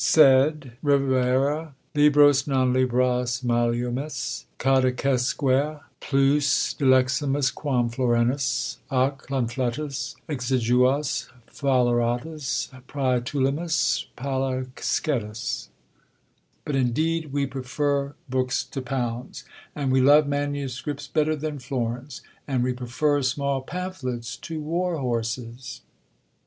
"Sed, revera, libros non libras maluimus; codicesque plus dileximus quam florenos: ac PANFLETOS exiguos phaleratis prætulimus palescedis." "But, indeed, we prefer books to pounds; and we love manuscripts better than florins; and we prefer small pamphlets to war horses."